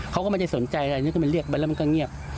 เขาก็ไม่ได้สนใจอันนี้คือมันเรียกไปแล้วมันก็เงียบ